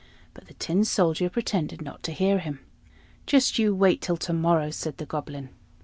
But the Tin Soldier pretended not to hear him. "Just you wait till to morrow!" said the Goblin.